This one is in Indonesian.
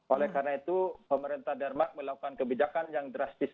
oleh karena itu pemerintah denmark melakukan kebijakan yang drastis